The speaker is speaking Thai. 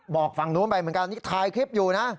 ฝั่งนู้นไปเหมือนกันนี่ถ่ายคลิปอยู่นะ